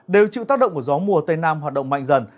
đều chịu tác động của gió mùa tây nam hoạt động mạnh dần